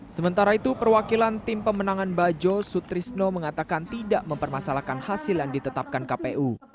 sementara itu perwakilan tim pemenangan bajo sutrisno mengatakan tidak mempermasalahkan hasil yang ditetapkan kpu